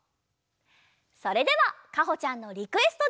それではかほちゃんのリクエストで。